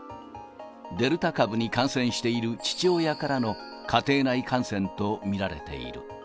デルタ株に感染している父親からの家庭内感染と見られている。